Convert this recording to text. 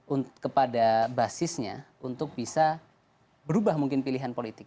untuk kepada basisnya untuk bisa berubah mungkin pilihan politik